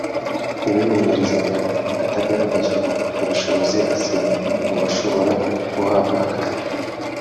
uwimenyerezaga atagaragaje ubushobozi, asibwa mu bashobora guhabwa akazi